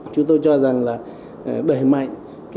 chúng tôi cho rằng là bởi mọi người